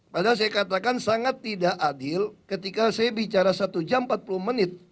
padahal saya katakan sangat tidak adil ketika saya bicara satu jam empat puluh menit